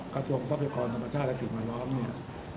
ทรัพยากรธรรมชาติและสิ่งแวดล้อมเนี่ย